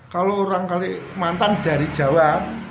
kalau orang kalimantan dari jawa